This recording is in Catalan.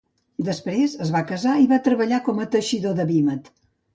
Després, es va casar i va treballar com a teixidor de vímet.